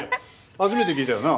初めて聞いたよな？